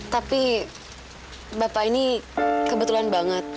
tapi bapak ini kebetulan banget